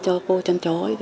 cho cô chăn chói